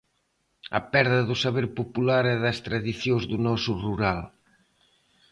A perda do saber popular e das tradicións do noso rural.